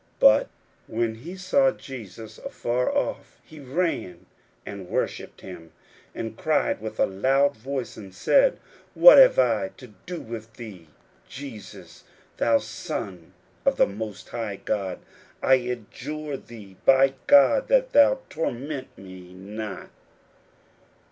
41:005:006 But when he saw Jesus afar off, he ran and worshipped him, 41:005:007 And cried with a loud voice, and said, What have I to do with thee, Jesus, thou Son of the most high God? I adjure thee by God, that thou torment me not.